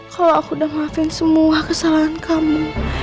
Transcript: kalau aku udah ngelafin semua kesalahan kamu